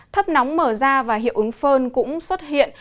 thấp nóng mở ra và hiệu ứng phơn cũng xuất hiện